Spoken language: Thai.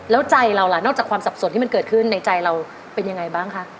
แล้วใจเราล่ะนอกจากความสับสนที่มันเกิดขึ้นในใจเราเป็นยังไงบ้างคะ